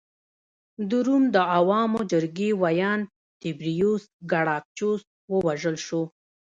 د روم د عوامو جرګې ویاند تیبریوس ګراکچوس ووژل شو